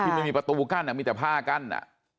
ไม่มีประตูกั้นมีแต่ผ้ากั้นอ่ะ